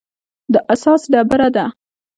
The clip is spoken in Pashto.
د اساس ډبره ده.